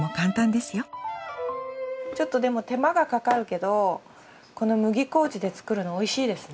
ちょっとでも手間がかかるけどこの麦麹で作るのおいしいですね。